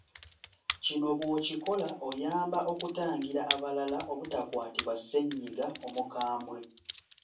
Kino bw’okikola, oyamba okutangira abalala obutakwatibwa ssennyiga omukambwe.